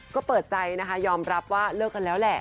ก็เปิดใจนะคะยอมรับว่าเลิกกันแล้วแหละ